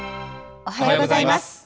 おはようございます。